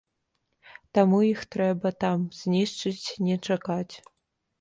Таму іх трэба там знішчыць, не чакаць.